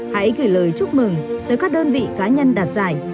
hãy gửi lời chúc mừng tới các đơn vị cá nhân đạt giải